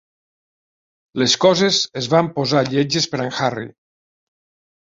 Les coses es van posar lletges per a en Harry.